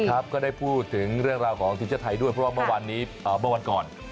ก็ได้พูดถึงเรื่องราวของทีมชาติไทยด้วยเพราะว่าเมื่อวานนี้เมื่อวันก่อน